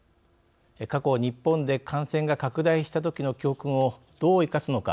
過去日本で感染が拡大したときの教訓をどう生かすのか。